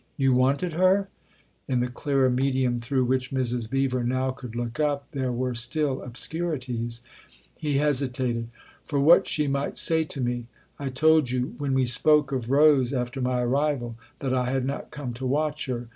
" You wanted her ?" in the clearer medium through which Mrs. Beever now could look up there were still obscurities. 268 THE OTHER HOUSE He hesitated. " For what she might say to me. I told you, when we spoke of Rose after my arrival, that I had not come to watch her.